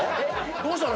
どうしたの？